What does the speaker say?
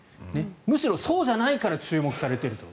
むしろそうじゃないから注目されていると。